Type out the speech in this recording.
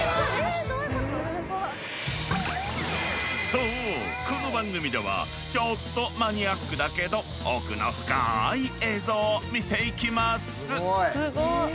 そうこの番組ではちょっとマニアックだけど奥の深い映像を見ていきます。